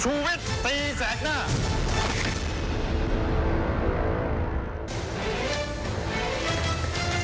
ชูวิทย์ตีแสกหน้า